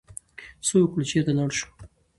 څه وکړو، چرته لاړ شو؟